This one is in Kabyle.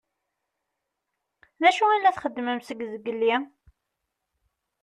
D acu i la txeddmem seg zgelli?